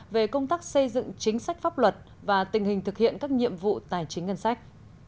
về công tác xây dựng chính sách pháp luật và tình hình thực hiện các nhiệm vụ tài chính ngân sách